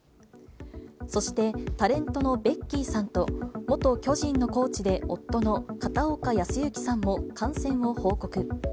そして、タレントのベッキーさんと、元巨人のコーチで夫の片岡保幸さんも感染を報告。